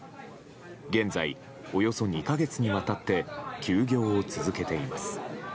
現在、およそ２か月にわたって休業を続けています。